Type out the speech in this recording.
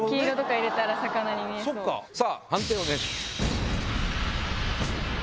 さぁ判定お願いします。